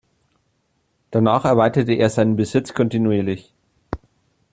Danach erweiterte er seinen Besitz kontinuierlich.